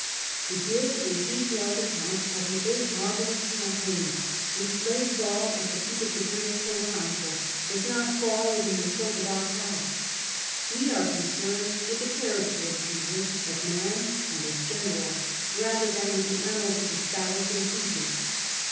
To give a detailed account of the eight marvellous campaigns, which laid Gaul at the feet of the great pro consul, does not fall within the scope of our task. We are concerned with the character of Caesar as man and as general, rather than with the annals of his battles and sieges.